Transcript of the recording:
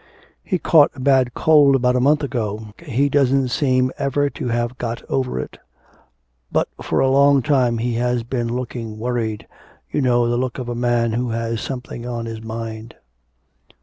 'He caught a bad cold about a month ago, he doesn't seem ever to have got over it. But for a long time he has been looking worried, you know the look of a man who has something on his mind.'